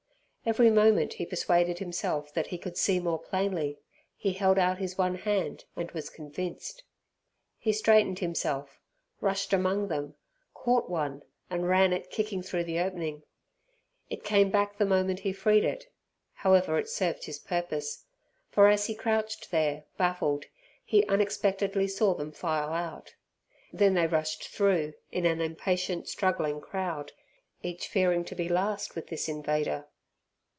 Every moment he persuaded himself that he could see more plainly. He held out his one hand and was convinced. He straightened himself, rushed among them, caught one, and ran it kicking through the opening. It came back the moment he freed it. However it served his purpose, for as he crouched there, baffled, he unexpectedly saw them file out. Then they rushed through in an impatient struggling crowd, each fearing to be last with this invader.